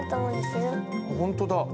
本当だ。